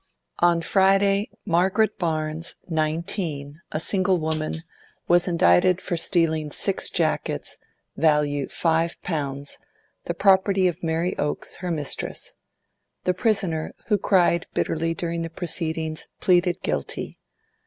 'On Friday, Margaret Barnes, nineteen, a single woman, was indicted for stealing six jackets, value 5_l_., the property of Mary Oaks, her mistress. The prisoner, who cried bitterly during the proceedings, pleaded guilty.